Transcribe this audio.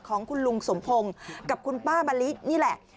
ของคุณลุงสมพงศ์กับคุณป้ามะลินี่แหละ